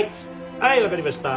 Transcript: はい分かりました。